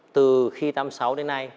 từ khi tám mươi sáu đến nay